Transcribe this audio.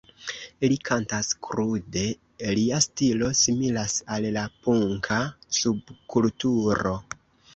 Li kantas krude, lia stilo similas al la punka subkulturo.